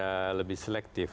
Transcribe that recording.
bisa lebih selektif